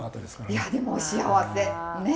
いやでもお幸せねえ。